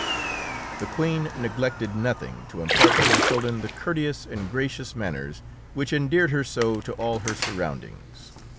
] The Queen neglected nothing to impart to her children the courteous and gracious manners which endeared her so to all her surroundings.